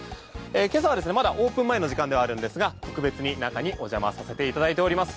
今朝、まだオープン前の時間ではあるんですが特別に中にお邪魔させていただいております。